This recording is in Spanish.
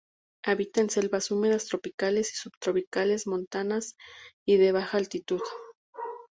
Habita en selvas húmedas tropicales y subtropicales montanas y de baja altitud.